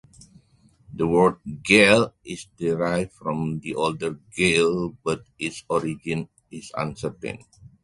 The word "gale" is derived from the older "gail", but its origin is uncertain.